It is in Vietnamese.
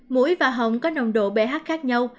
mũi và hồng có nồng độ ph khác nhau